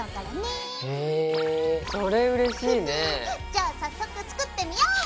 じゃあ早速作ってみよう！